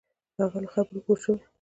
هغه له خبرو پوه شوی.